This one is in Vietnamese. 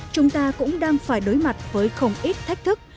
chúng ta cũng đang phải đối mặt với không ít thách thức